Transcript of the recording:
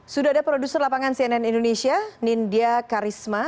sudah ada produser lapangan cnn indonesia nindya karisma